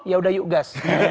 ya udah yuk gas